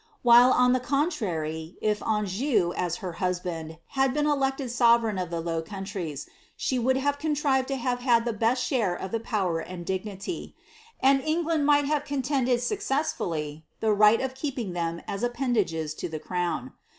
While, on the con tiary, if Anjou, as her husband, had been elected sovereign of the Low Coontries, she would have contrived to have had the best share of the power and dignity; and Elngland might have contended successfully the lifht of keeping them as appendages to the crown.